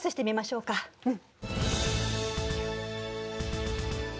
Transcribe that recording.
うん。